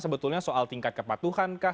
sebetulnya soal tingkat kepatuhankah